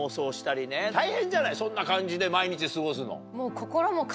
そんな感じで毎日過ごすの。